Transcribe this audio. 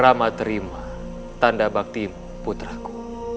ramaterima tanda baktimu putraku